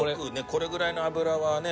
これぐらいの脂はね